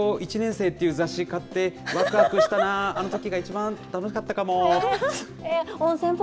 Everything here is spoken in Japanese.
上京したてのときに、東京１年生という雑誌買って、わくわくしたなぁ、あのときが一番楽しかったかも。